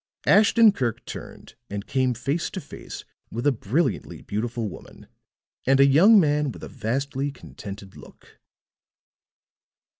Ashton Kirk turned and came face to face with a brilliantly beautiful woman, and a young man with a vastly contented look.